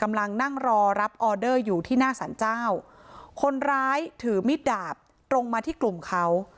กำลังนั่งรอรับออเดอร์อยู่ที่หน้าสรรเจ้าคนร้ายถือมิดดาบตรงมาที่กลุ่มเขา